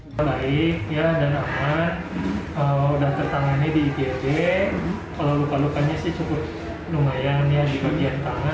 baik dan aman kalau udah tertangani di igd kalau luka lukanya sih cukup lumayan ya di bagian